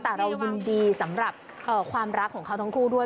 แต่เรายินดีสำหรับความรักของเขาทั้งคู่ด้วย